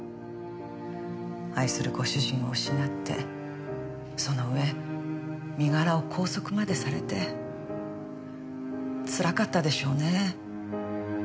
愛するご主人を失ってその上身柄を拘束までされてつらかったでしょうね。